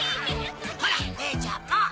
ほらねえちゃんも！